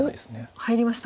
入りました。